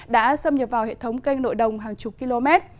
đã xâm nhập vào hệ thống kênh nội đồng hàng chục km